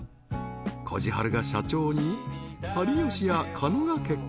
［こじはるが社長に有吉や狩野が結婚］